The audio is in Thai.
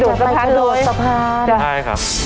โดดสะพานโดดสะพาน